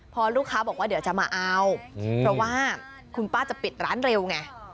พอลูกค้าบอกว่าเดี๋ยวจะมาเอาเพราะว่าคุณป้าจะปิดร้านเร็วไง